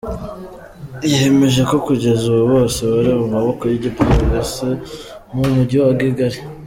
Yemeje ko kugeza ubu bose bari mu maboko y’igipolisi mu mujyi wa Kigali.